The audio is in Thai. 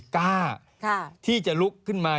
กล้าที่จะลุกขึ้นมา